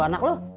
kalau anak lo